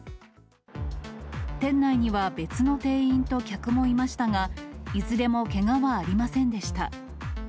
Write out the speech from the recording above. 店内には別の店員と客もいましたが、いずれもけがはありませんでした。